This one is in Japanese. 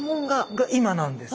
が今なんです。